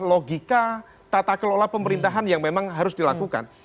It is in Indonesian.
logika tata kelola pemerintahan yang memang harus dilakukan